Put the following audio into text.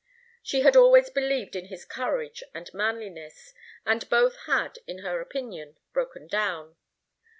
She had always believed in his courage and manliness, and both had, in her opinion, broken down.